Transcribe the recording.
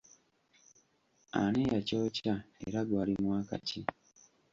Ani yakyokya era gwali mwaka ki?